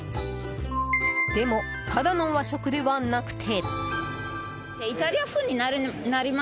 でも、ただの和食ではなくて。